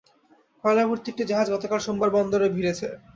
কয়লাভর্তি একটি জাহাজ গতকাল সোমবার বন্দরে ভিড়েছে।